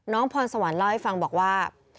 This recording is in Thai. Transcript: พรสวรรค์เล่าให้ฟังบอกว่า